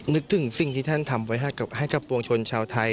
นึกถึงสิ่งที่ท่านทำไว้ให้กับปวงชนชาวไทย